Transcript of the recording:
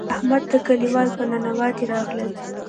احمد ته کلیوال په ننواتې راغلل.